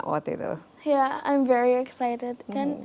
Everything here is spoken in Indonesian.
ya aku sangat teruja